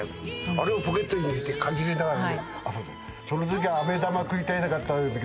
あれをポケットに入れてかじりながらねばかり食べてた